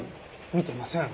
見てません。